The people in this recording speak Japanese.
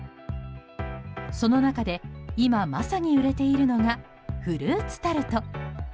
その中で今まさに売れているのがフルーツタルト。